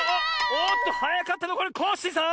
おっとはやかったのはこれコッシーさん！